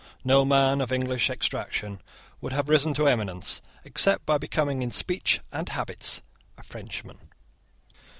No man of English extraction would have risen to eminence, except by becoming in speech and habits a Frenchman.